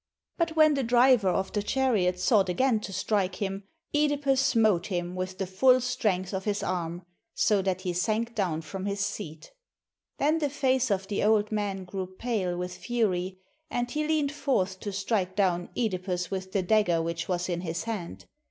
" But when the driver of the chariot sought again to strike him, (Edipus smote him with the full strength of his arm, so that he sank down from his seat. Then the face of the old man grew pale with fury, and he leaned forth to strike down (Edipus with the dagger which was in his hand.